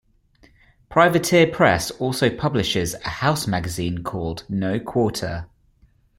Privateer press also publishes a house magazine called No Quarter.